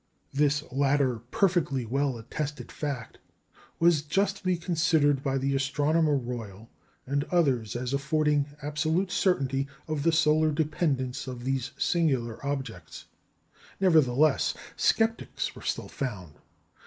" This latter perfectly well attested fact was justly considered by the Astronomer Royal and others as affording absolute certainty of the solar dependence of these singular objects. Nevertheless sceptics were still found.